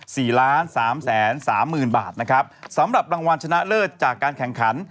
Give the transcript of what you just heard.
สี่ล้านสามแสนสามหมื่นบาทนะครับสำหรับรางวัลชนะเลิศจากการแข่งขัน